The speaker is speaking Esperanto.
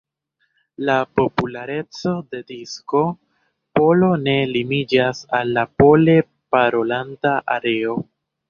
La populareco de disko polo ne limiĝas al la pole parolanta areo.